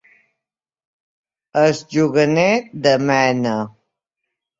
És juganer de mena.